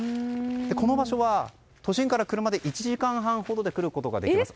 この場所は、都心から車で１時間半ほどで来ることができます。